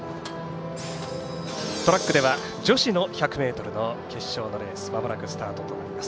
トラックでは女子の１００ｍの決勝のレースまもなくスタートです。